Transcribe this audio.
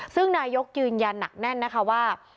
ซึ่งนายกยืนยันหนักแน่นนะคะว่า